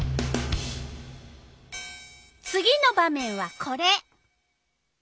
次の場面はこれ。